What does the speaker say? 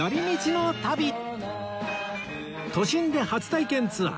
都心で初体験ツアー